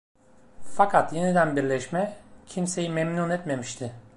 Fakat yeniden birleşme, kimseyi memnun etmemişti.